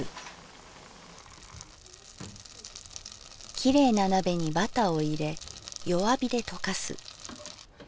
「きれいな鍋にバタをいれ弱火でとかす」。